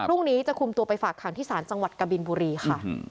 ตรงนี้จะคุมตัวไปฝากขังทิสารจังหวัดกผมีนบุรีค่ะ